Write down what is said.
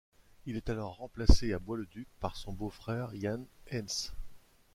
Il est alors remplacé à Bois-le-Duc par son beau-frère Jan Heyns.